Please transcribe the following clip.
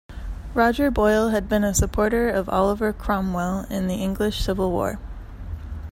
Roger Boyle had been a supporter of Oliver Cromwell in the English Civil War.